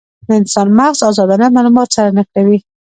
د انسان مغز ازادانه مالومات سره نښلوي.